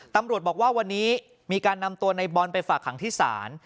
ตำรวจบอกว่าวันนี้มีการนำตัวในบอลไปฝากหังที่ศาล